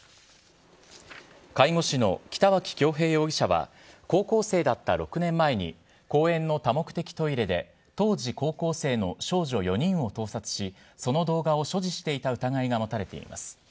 介護士の北脇恭平容疑者は、高校生だった６年前に、公園の多目的トイレで、当時高校生の少女４人を盗撮し、その動画を所持していた疑いが持たれています。